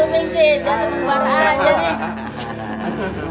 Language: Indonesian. bang juming sih dia cuma kebar aja nih